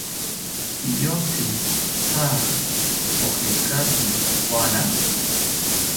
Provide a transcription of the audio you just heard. ¿Piyotzi tya ojekaki juana?